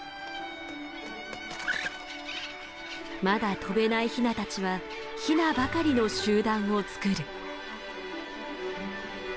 まだ飛べないヒナたちはヒナばかりの集団を作る。